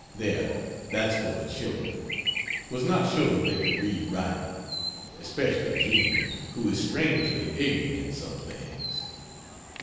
] There that's for the children was not sure that they could read writing; especially jean, who is strangely ignorant in some things.